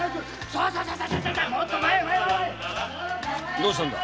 どうしたんだ？